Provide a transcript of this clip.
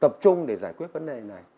tập trung để giải quyết vấn đề này